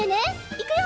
いくよ。